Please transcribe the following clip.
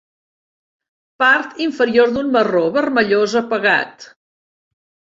Part inferior d'un marró vermellós apagat.